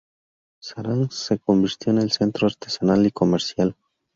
Saransk se convirtió en centro artesanal y comercial.